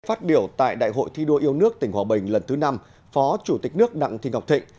phát biểu tại đại hội thi đua yêu nước tỉnh hòa bình lần thứ năm phó chủ tịch nước đặng thị ngọc thịnh